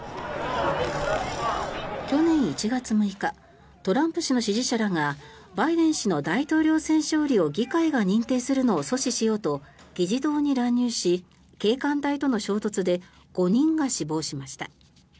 去年１月６日トランプ氏の支持者らがバイデン氏の大統領選勝利を議会が認定するのを阻止しようと議事堂に乱入し警官隊との衝突で５人が死亡しました。